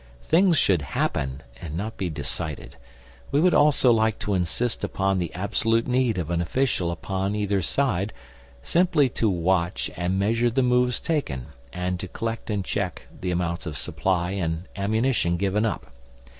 Things should happen, and not be decided. We would also like to insist upon the absolute need of an official upon either side, simply to watch and measure the moves taken, and to collect and check the amounts of supply and ammunition given up.